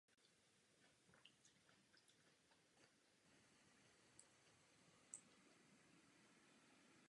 Čím se tato směrnice zabývá?